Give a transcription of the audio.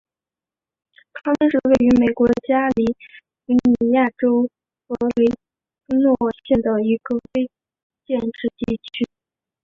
康登是位于美国加利福尼亚州弗雷斯诺县的一个非建制地区。